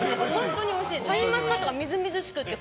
シャインマスカットがみずみずしくて。